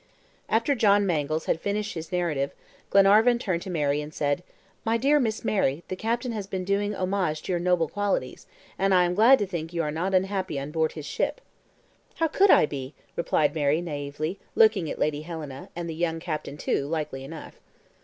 After John Mangles had finished his narrative, Glenarvan turned to Mary and said; "My dear Miss Mary, the captain has been doing homage to your noble qualities, and I am glad to think you are not unhappy on board his ship." "How could I be?" replied Mary naively, looking at Lady Helena, and at the young captain too, likely enough.